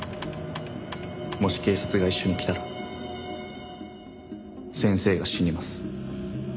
「もし警察が一緒に来たら先生が死にます」